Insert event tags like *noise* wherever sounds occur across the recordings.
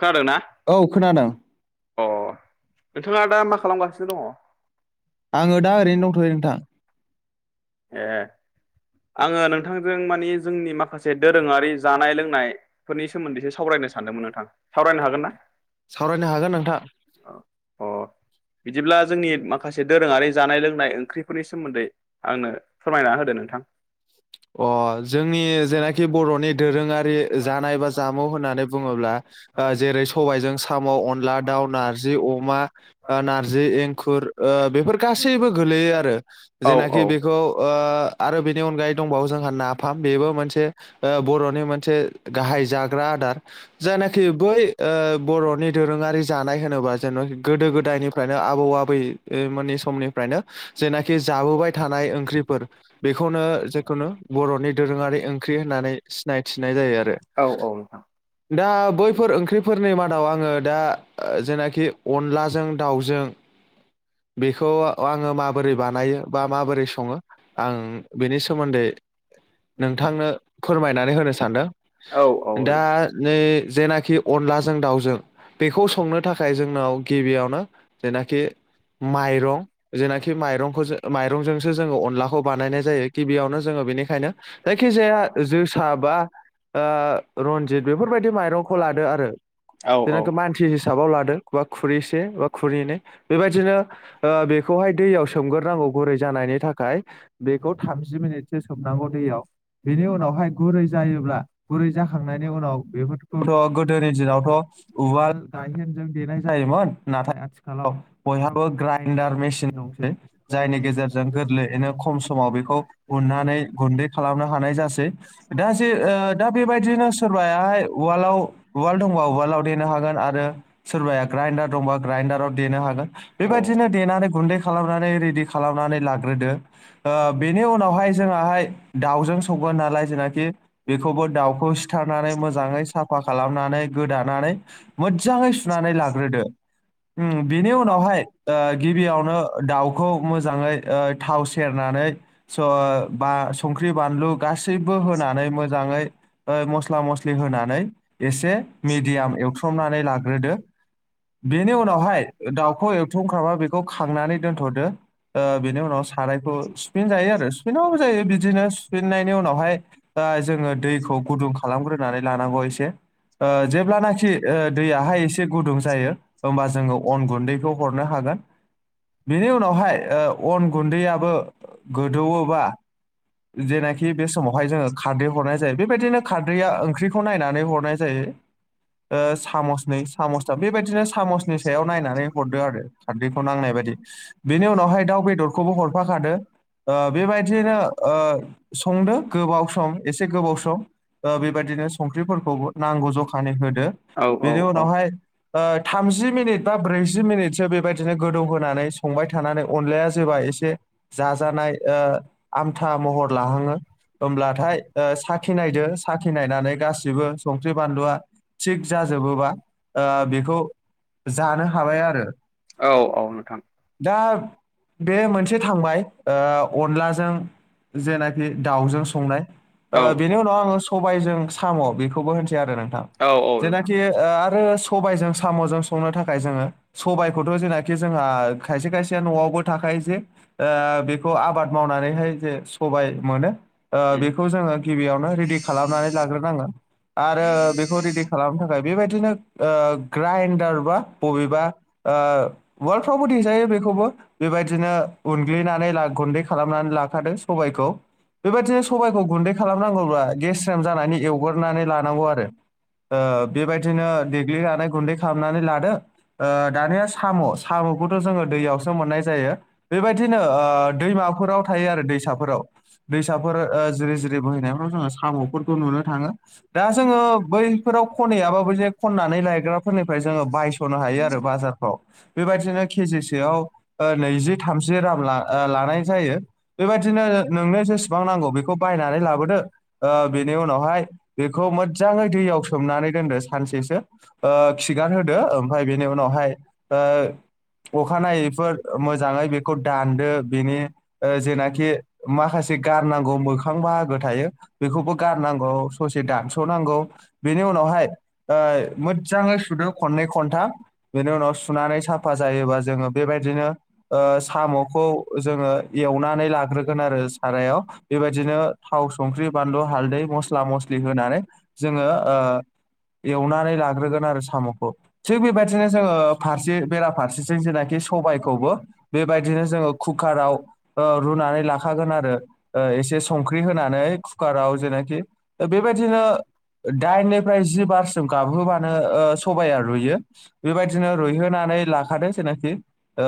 खोनादों ना औ खोनादों अ नोंथाङा दा मा खालामगासिनो दङ? आङो दा ओरैनो दंथ'यो नोंथां। ए आङो नोंथां जों मानि जोंनि माखासे दोरोङारि जानाय लोंनायफोरनि सोमोन्दैसो सावरायनो सानदोंमोन नोंथां। सावरायनो हागोन ना? सावरायनो हागोन नोंथां अ। बिदिब्ला जोंनि माखासे दोरोङारि जानाय लोंनाय ओंख्रिफोरनि सोमोन्दै आंनो फोरमायना होदो नोंथां। अ जोंनि जेनाखि बर'नि दोरोङारि जानाय बा जामुं होननानै बुङोब्ला ओ जेरै सबायजों साम' अनला दाउ नारजि अमा ओ नार्जि एंखुर ओ बेफोर गासैबो गोलैयो आरो औ औ जेनाखि बे खौ ओ आरो बेनि अनगायै दंबावो जोंहा नाफाम बेबो मोनसे ओ बर'नि मोनसे गाहाय जाग्रा आदार जायनाखि बै ओ बर'नि दोरोङारि जानाय होनोबा जेन' गोदो गोदायनिफ्रायनो आबौ आबै ओ मोनि समनि फ्रायनो जेनाखि जाबोबाय थानाय ओंख्रिफोर बेखौनो जों खौनो बर'नि दोरोङारि ओंख्रि होननानै सिनायथिनाय जायो आरो। औ औ नोंथां दा बैफोर ओंख्रिफोरनि मादाव आङो दा ओ जेनाखि अनलाजों दाउजों बेखौ आङो माबोरै बानायो माबोरै सङोआं बेनि सोमोन्दै नोंथांनो फोरमायनानै होनो औ औ सानदों दा औ नै जेनाखि अनलाजों दाउजों बेखौ संनो थाखाय जोंनाव गिबियावनो जेनाखि माइरं जेनाखि माइरंखौसो माइरंजोंसो जोङो अनलाखौ बानायनाय जायो। गिबियावनो जोङो बेनिखायनो जायखिजाया जोसा बा ओ रन्जित बेफोरबायदि माइरंखौ लादो आरो औ जेनाखि मानसि हिसाबाव लादो। बा खुरैसे बा खुरैनै बेबायदिनो ओ बेखौहाय दैयाव सोमगोरनांगौ गुरै जानायनि थाखाय बेखौ थामजि मिनिट से सोबनांगौ दैयाव बेनि उनावहाय गुरै जायोब्ला गुरै जाखांनायनि उनाव बेफोर थ' गोदोनि दिनावथ' उवाल गायह जों देनाय जायोमोन नाथाय आथिखालाव बयहाब बो ग्राइडार मेसिन दंसै जायनि गेजेरजों गोरलैयैनो खम समाव बेखौ उननानै गुन्दै खालामनो हानाय जासै दा जे ओ दा बेबायदिनो सोरबायाहाय उवालआव उवाल दंबा उवालाव देनो हागोन आरो सोरबाया ग्राइडार दंबा ग्राइडाराव देनो हागोन बेबायदिनो देनानै गुन्दै खालामनानै रेडि खालामनानै लाग्रोदो। ओ बेनि उनावहाय जोंहाय दाउजों नालाय जेनाखि बेखौबो दाउखौ सिथारनानै मोजाङै साफा खालामनानै गोदानानै मोदजाङै लाग्रोदो बेनिउनावहाय गिबियावन नो दाउखौ मोजाङै थाव सेरनानै स बा संख्रि बानलु गासैबो होनानै मोजाङै ओ मस्ला मस्लि स्लि होनानै एसे मिडियाम एवस्रमनानै लाग्रोदो। बेनि उनावहाय दाउखौ एवथुमख्राबा बेखौ खांनानै दोन्थ'दो। ओ बिनि उनाव सारायखौ सुफिन जायो आरो सुफिनो जायो बिदिनो सुफिननायनि उनावहाय ओ जोङो दैखौ गुदुं खालामग्रोनानै लानांगौ एसे। ओ जेब्लानाखि दैयाहाय एसे गुदुं जायो होमबा जोङो अन गुन्दैखौ हरनो हागोन बेनि उनावहाय ओ अन गुन्दैयाबो गोदौवोबा जेनाखि बे समावहाय जोङो खारदै हरनाय जायो बेबायदिनो खारदैया ओंख्रिखौ नायनानै हरनाय जायो। ओ सामसनै सामथाम बेबायदिनो सामसनि सायाव नायनानै हरदो आरो खारदैखौ नांनाय बाददि। बेनि उनावहाय दांव बेदरखौबो हरफाखाद ओ बेबायदियैनो ओ संदो गोबाव सम एसे गोबाव सम। ओ बेबायदिनो संख्रिफोरखौ नांगौ जखानि होदो औ बेनि उनावहाय ओ थामजि मिनिट बा ब्रैजि मिनिटसो बेबायदिनो गोदौ होनानै संबाय थानानै अनलाया जेबा एसे से जाजानाय ओ आमथा महर लाहङो होमब्लाथाय ओ साखि नायदो साखि नायनानै गासैबो संख्रि बानलुआ थिग जाजोबोबा ओ बेखौ जानो हाबाय आरो औ औ नोंथां दा बे मोनस से थांबाय ओ‌ अनलाजों जेनाखि दाउजों संनाय। ओ औ बेनि उनाव आङो सबायाइजों साम' बेखौबो होनसै आरो नोंथां औ औ नोंथां जेनाखि ओ आरो सबायजों साम'जों संनो थाखाय जोङो सबायाइखौथ' जेनाखि जोंहा खायसे खायसेया न'आवबो थाखायो जे ओ बेखौ आबाद मावनानैहाय जे सबाय मोनो ओ बेखौ जोङो गिबियावनो रेडि खालामनानै लाग्रोनांगोन। आरो बेखौ रेडि खालामनो थाखाय बेबायदिनो ओ ग्राइडार बा बबेबा ओ उआडफ्रावबो देजायो बेखौबो बेबायदिनो उनग्लिनानै ला गुन्दै खालामनानै लाखादों सबायखौ बेबायदिनो सबबायखौ गुन्दै खालामनांगौब्ला एवग्रनानै लानांगौ आरो। ओ बेबायदिनो देग्लिनानै गुन्दै खालामनानै लादो ओ दानिया साम' साम'खौथ' जोङो दैयावसो मोननाय जायो बेबायदिनो। ओ दैमाफोराव थायो आरो दैसाफ फोराव दैसाफोर ओ जिरि जिरि बोहैनायफोराव जोङो साम'फोरखौ नुनो थाङो। दा जोङो बैफोराव खनहैयाबा बै जे खननानै लायग्राफोरनिफ्राय जोङो बायस'नो हायो आरो बाजारफ्राव बेबायदिनो केजिसेयाव ओ नैजि थामजि रां लानाय ओ जायो। बेबायदिनो नो-नोंनो जेसेबां नांगौ बेखौ बायनानै लाबोदो, ओ बिनि उनावहाय बेखौ मोजाङै दैयाव सोमनानै दोनदो सानसेसो ओ खिगार होदो ओमफ्राय बेनि उनावहाय ओ अखानायैफोर मोजाङै बेखौ दानदो। बेनि ओ जेनाखि माखासे गारनांगौ मोखां बाहागो थायो बेखौबो गारनांगौ। ससे दानस' नांगौ। बेनि उनावहाय ओ मोदजाङै सुदो खननै खनथाम। बेनि उनाव सुनानै साफा जायोबा जोङो बेबायदिनो ओ साम'खौ जोङो एवनानै लाग्रो *unintelligible* आरो सारायाव बेबायदिनो थाव, संख्रि, बानलु, हालदै, मस्ला मस्लि होनानै जोङो ओ एवनानै लाग्रोगोन आरो साम'खौ। थिग बेबायदिनो जोङो फारसे बेराफारसेथिं जेनाखि सबायखौबो बेबायदिनो जोङो कुखाराव ओ रुनानै ला खागोन आरो ओ एसे संख्रि होनानै, कुकाराव जेनाखि बेबायदिनो दाइननिफ्राय जि बारसिम गाबहोबानो ओ सबाया रुइयो। बेबायदिनो रुइ होनानै लाखादों जेनाखि ओ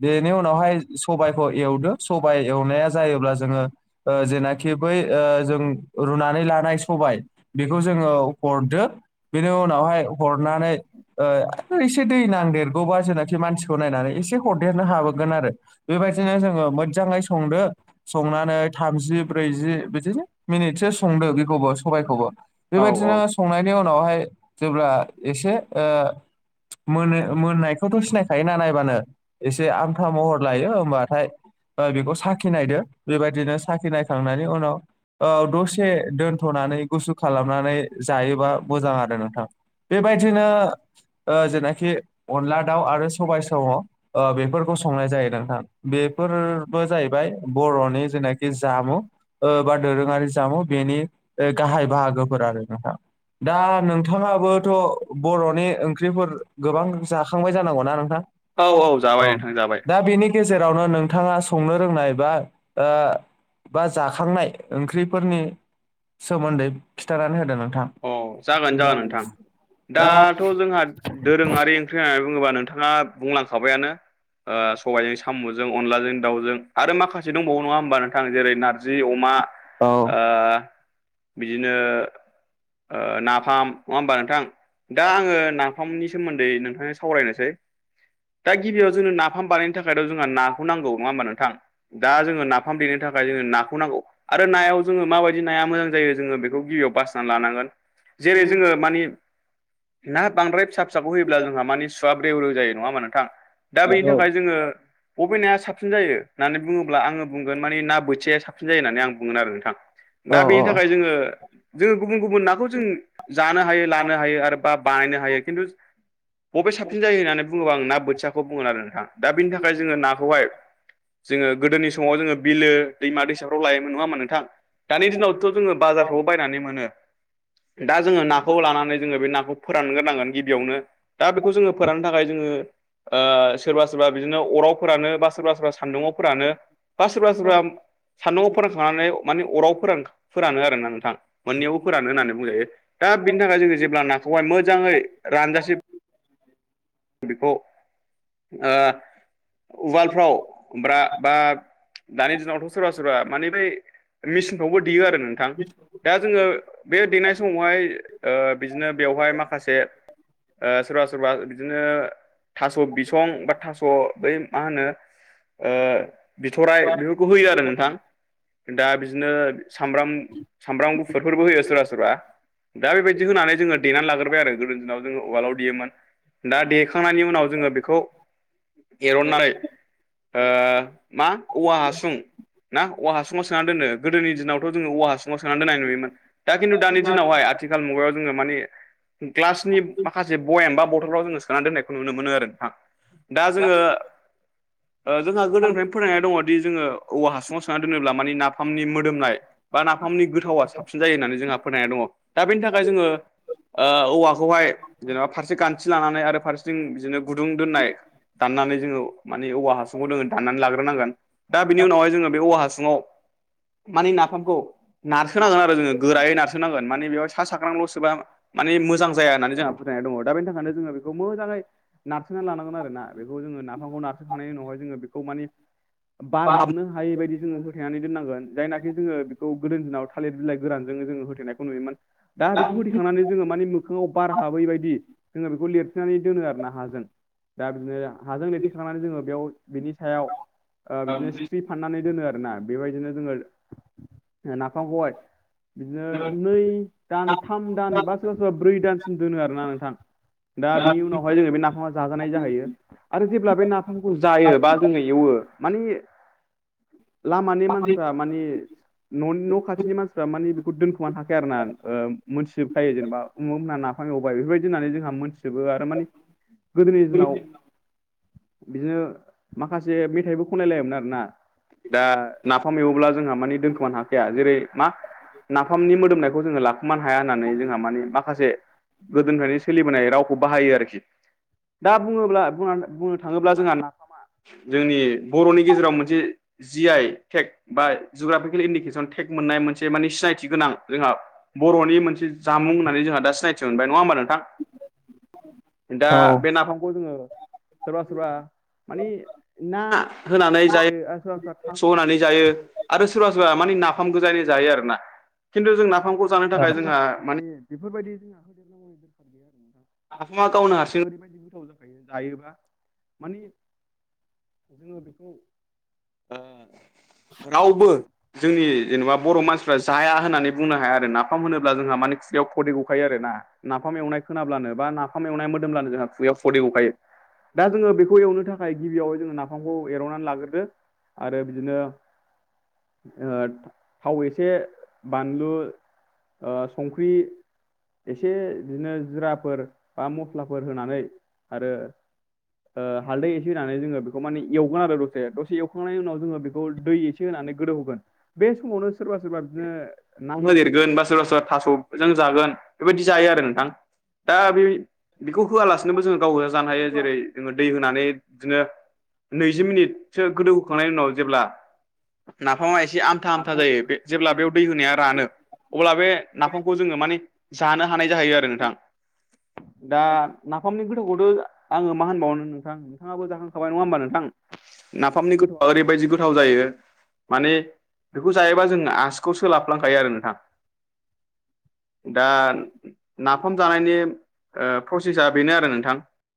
बेनि उनावहाय सबाइखौ एवदो सबाइ एवनाया जायोब्ला जोङो ओ जेनाखि बै ओ जों रुनानै लानाय सबाय बेखौ जोङो हरदो। बेनि उनावहाय हरनानै ओ एसे दै नांदेरगौबा जेनाखि मानसिखौ नायनानै एसे हरदेरनो हाबोगोन आरो। बेबायदिनो जोङो मोदजाङै संदो संनानै थामजि ब्रैजि बिदिनो मिनिटसो संदो बेखौबो सबायखौबो। औ औ बेबादिनो संनायनि उनावहाय जेब्ला एसे ओ मोनो मोननायखौथ' ‌सिनाखायोना नायबानो एसे आमथा महर लायो होमबाथाय ओ बेखौ साखि नायदो। बेबायदिनो साखि नायखांनायनि उनाव ओ दसे दोनथ'नानै गुसु खालामनानै जायोबा मोजां आरो नोंथां। बेबायदिनो ओ जेनाखि अनला दाउ आरो सबाय सम' ओ बेफोरखौ संनाय जायो नोंथां। बेफोरबो जाहै बाय बर'नि जेनाखि जामु। ओ बा दोरोङारि जामु बेनि ओ गाहाय बाहागोफोर आरो नोंथां। दा नोंथाङाबोथ' बर'नि ओंख्रिफोर गोबां जाखांबाय जानांगौना नोंथां? औ। जाबाय ओ नोंथां जाबाय दा बेनि गेजेरावनो नोंथाङा संनो फोरोंनाय बा ओ बा जाखांनाय ओंख्रिफोरनि सोमोन्दै खिन्थानानै होदो नोंथां। अ जागोन जागोन नोंथां, दाथ' जोंहा दोरोङारि होननानै बुङोब्ला नोंथाङा बुंलांखाबायानो। ओ सबायजों साम'जों, अनला जों दावउजों आरो माखासे दंबावो नङा होमबा नोंथां जेरै नारज जि अमा औ ओ बिदिनो ओ नाफाम नङा होमबा नोंथां? दा आङो ना फामनि सोमोन्दै नोंथांजों सावरायनोसै। दा गिबियाव जोंनो ना नाफाम बानायनो थाखायथ' जोंहा नाखौ नांगौ नङा होमबा नोंथां? दा जोङो नाफाम देनो थाखाय जोङो नाखौ नांगौ। आरो नायाव जोङो माबायदि नाया मोजां जायो जोङो बेखौ गिबियाव बासिनानै लानांगोन। जेरै जोङो मानि ना बांद्राय फिसा फिसाखौ होयोब्ला जोंहा मानि सुवा ब्रेव ब्रेव जायो नङा होमबा नोंथां? दा बेनि थाखाय जोङो बबे नाया साबसिन जायो होननानै बुङोब्ला आङो बुंगोन माने ना बोथिया साबसिन जायो होननानै आं बुंगोन आरो नोंथां। औ दा औ बेनि थाखाय जोङो जोङो गुबुन गुबुन नाखौ जों जानो हायो लानो हायो आरो बा बानायनो हायो खिन्थु बबे साबसिन जायो होननानै बुङोब्ला आं ना बोथियाखौ बुंगोन आरो नोंथां दा बिनि थाखाय जोङो नाखौहाय जोङो गोदोनि समाव जोङो बिलो दैमा दैसाफ्राव लायोमोन नङा होमबा नोंथां। दानि दिनावथ' जोङो बाजारफ्रावबो बायनानै मोनो दा जोङो नाखौ लानानै जोङो बे नाखौ फोरानग्रो नांगोन गिबियावनो दा बेखौ जोङो फोराननो थाखाय जोङो ओ सोरबा सोरबा बिदिनो अराव फोरानो बा सोरबा सोरबा सान्दुंङाव फोरानो। बा सोरबा सोरबा सान्दुंआव फोरानखांनानै माने अराव फोरान फोरानो आरो ना नोंथां मोननैयावबो फोरानो होननानै। मोजांयै दा बिनि थाखाय जोङो जेब्ला नाखौहाय मोजाङै रानजासे बेखौ ओ उवालफ्राव ब्रा बा दानि दिनावथ' सोरबा सोरबा माने बै मेसिनफ्रावबो देयो आरो नोंथां। दा जोङो बे देनाय समावहाय ओ बिदिनो बेवहाय माखासे ओ सोरबा सोरबा बिदिनो थास' बिसं बा थास' बै मा होनो ओ बिथ'राय बेफोरखौ होयो आरो नोंथां। दा बिदिनो सामब्राम सामब्राम गुफुर फोरबो होयो सोरबा सोरबा। दा बेबायदि होनानै जोङो देनानै लाग्रोबबाय आरो गोदोनि दिनाव जोङो उवालाव देयोमोन। दा देखांनायनि उनाव जोङो बेखौ एरननानै ओ मा औवा हासुं। ना औवा हासुंआव सोनानै दोनो गोदोनि दिनावथ' जोङो औवा हासुंङाव सोनानै दोन्नाय नुयोमोन। दा खिन्थु दानि दिनावहाय आथिखाल मुगायाव जोङो माने ग्लासनि माखासे बयाम बा ब बथलाव जोंडों सोनानै दोन्नायखौ नुनो मोनो आरो नोंथां दा जोङो ओ जोंहा गोदोनिफ्राय फोथायनाय दङ दि जोङो औवा हासुङाव सोंना दोनोब्ला माने नाफामनि मोदोमनाय बा नाफामनि गोथावा साबसिन जायो होननानै जोंहा फोथायनाय दङ दा बेनि थाखाय जोङो ओ औवाखौहाय जेनेबा फारसे गान्थि लानानै आरो फारसेथिं बिदिनो गुदुं दोननाय दाननानै जोङो माने औवा हासुंखौ जोङो दाननानै लाग्रोनांगोन। दा बिनि उनावहाय जोङो बे औवा हासुङाव मानि नाफामखौ नारसोनांगोन आरो जोङो गोरायै नारसोनांगोन मानि बेयावहा सा साग्रांल'सोबा माने मोजां जाया होननानै जोंहा फोथायनाय दङ दा बेनि थाखायनो जोङो बेखौ मोजाङै नारसोननानै लानांगोन आरो ना बेखौ जोङो नाफामखौ नारसोखांनायनि उनावहाय जोङो बेखौ माने बार हाबनो हायै बायदि जोङो होथेनानै दोननांगोन जायनाखि जोङो बेखौ गोदोनि दिनाव थालिर बिलाय गोरानजों जोङो होथेनायखौ नुयोमोन। दा बेखौ होथेखांनानै जोङो माने मोखाङाव बार हाबै बायदि जोङो बेखौ लिरथेनानै दोनो आरो ना हाजों दा बिदिनो हाजों लिरथेखांनानै जोङो बेयाव बिनि सायाव बिदिनो ओ स्ट्रिप फाननानै दोनो आरो ना बेबायदिनो जोङो नाफामखौहाय बिदिनो नै दान थाम दान बा सोरबा सोरबा ब्रै दानसिम दोनो आरोना नोंथां। दा बिनि उनावहाय जोङो बे नाफामा जाजानाय जाहैयो। आरो जेब्ला बे नाफामखौ जायो बा जोङो एवो मानि लामानि मानसिफ्रा मानि न'नि न' खाथिनि मानसिफ्रा मानि बेखौ दोनखुमानो हाखाया आरो ना ओ मोनथिजोबखायो जेनेबा। अमुग मोनहा नाफाम एवबाय बेफोरबायदि होननानै जोंहा मोनथिजोबो आरो मानि गोदोनि दिनाव बिदिनो माखासे मेथाइबो खनलायलायोमोन आरो ना। दा नाफाम एवोब्ला जोंहा माने दोनखोमानो हाखाया जेरै मा नाफामनि मोदोमनायखौ जोंङो लाखुमानो हाया होननानै जोंहा मानि माखासे गोदोनिफ्रायनो सोलिबोनाय रावखौ बाहायो आरोखि दा बुंङोब्ला बुंना थांङोब्ला जोंहा नाफामा जोंनि बर'नि गेजेराव मोनसे जि आइ टेक बा जुग्राफिकेलि इन्डिकेसन टेक मोननाय मोनसे माने सिनायथि गोनां जोंहा बर'नि मोनसे जामुं होननानै जोंहा दा सिनायथि मोनबाय नंङा होमबा नोंथां? दा औ बे नाफामखौ जोंङो सोरबा सोरबा मानि ना होनानै जायो आरो सोरबा सोरबा थास' होनानै जायो आरो सोरबा सोरबा मानि नाफाम गोजायैनो जायो आरो ना खिन्थु जों नाफामखौ जानो ओ थाखाय जोंहा माने बेफोरबादि नाफामा गावनो हारसिं ओरैबायदि गोथाव जाखायो जायोबा माने ओ रावबो जोंनि जेनेबा बर' मानसिफ्रा जाया होननानै बुंनो हाया आरो नाफाम होनोब्ला जोंहा मानि खुगायाव खदै गखायो आरो ना। नाफाम एवनाय खोनाब्लानो बा नाफाम एवनाय मोदोमब्लानो जोंहा खुगायाव खदै गखायो। दा जोंङो बेखौ एवनो थाखाय गिबियावहाय जोंङो नाफामखौ एरननानै लाग्रोदो आरो बिदिनो ओ थाव एसे बानलु ओ संख्रि एसे बिदिनो जिराफोर बा मस्लाफोर होनानै आरो ओ हालदै एसे होनानै जोंङो बेखौ मानि एवगोन आरो दसे दसे एवखांनायनि उनाव जोंङो बेखौ दै एसे होनानै गोदौ होगोन बे समावनो सोरबा सोरबा बिदिनो ना होदेरगोन बा सोरबा सोरबा थास'जों जागोन बेबायदि जायो आरो नोंथां। दा बे बेखौ होआलासिनोबो जोंङो गावा गोजा जानो हायो जेरै जोंङो दै होनानै बिदिनो नैजि मिनिटसो गोदौ होखांनायनि उनाव जेब्ला नाफामा एसे आ मथा आमथा जायो बे जेब्ला बेयाव दै होनाया रानो अब्ला बे नाफामखौ जोंङो माने जानो हानाय जाहैयो आरो नोंथां। दा नाफामनि गोथाखौथ' आंङो मा होनबावनो नोंथां नोंथांङाबो जाखांखाबाय नंङा होमबा नोंथां? नाफामनि गोथावा ओरैबायदि गोथाव जायो। माने बेखौ जायोबा जोंनो आसिखौ सोलाफ्लांखायो आरो नोंथां। दा नाफाम जानायनि ओ प्रसेसा बेनो आरो नोंथां।